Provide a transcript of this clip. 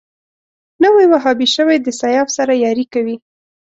نوی وهابي شوی د سیاف سره ياري کوي